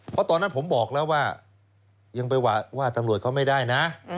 เพราะตอนนั้นผมบอกแล้วว่ายังไปว่าตำรวจเขาไม่ได้นะ